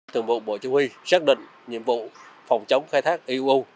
thường vụ bộ chỉ huy xác định nhiệm vụ phòng chống khai thác iuu